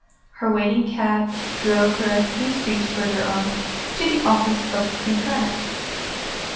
Her waiting cab drove her a few streets farther on, to the office of The Planet.